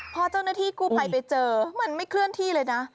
พอเจ้าหน้าที่กู้ภัยไปเจอมันไม่เคลื่อนที่เลยนะ